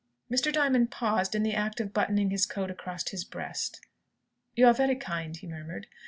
Mr. Diamond paused in the act of buttoning his coat across his breast. "You are very kind," he murmured.